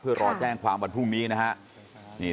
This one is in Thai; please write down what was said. เพื่อรอแจ้งความวันพรุ่งนี้นะครับ